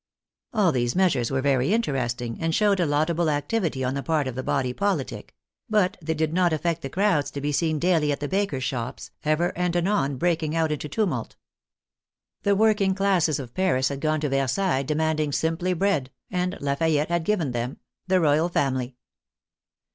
All these measures were very interesting, and showed a laudable activity on the part of the body politic; but they did not affect the crowds to be seen daily at the bakers' shops, ever and anon breaking out into tumult. The working classes of Paris had gone to Versailles de manding simply bread, and Lafayette had given them — the royal family